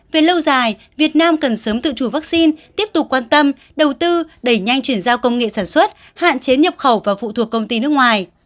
về lâu dài việt nam cần sớm tự chủ vaccine tiếp tục quan tâm đầu tư đẩy nhanh chuyển giao công nghệ sản xuất hạn chế nhập khẩu và phụ thuộc công ty nước ngoài